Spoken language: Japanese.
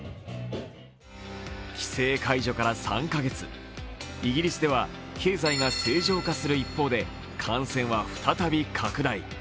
規制解除から３カ月、イギリスでは経済が正常化する一方で、感染は再び拡大。